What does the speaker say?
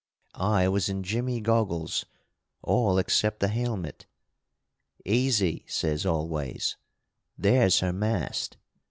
I was in Jimmy Goggles, all except the helmet. 'Easy,' says Always, 'there's her mast.'